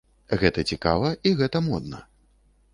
Гэта цікава і гэта модна.